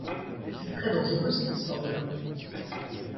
C'est très dangereux cette histoire-là !